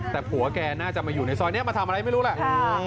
แต่ผัวแกน่าจะมาอยู่ในซอยนี้มาทำอะไรไม่รู้แหละ